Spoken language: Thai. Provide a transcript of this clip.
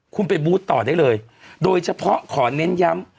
คุณไปบูธต่อได้เลยโดยเฉพาะขอเน้นย้ำ